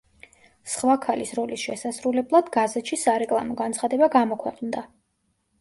სხვა ქალის როლის შესასრულებლად, გაზეთში სარეკლამო განცხადება გამოქვეყნდა.